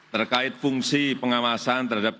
terkait fungsi pengawasan terhadap